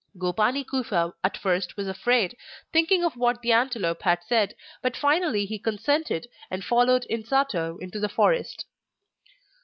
Gopani Kufa at first was afraid, thinking of what the antelope had said, but finally he consented and followed Insato into the forest.